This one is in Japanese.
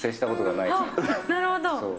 なるほど。